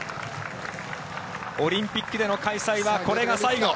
オリンピックでの開催はこれが最後。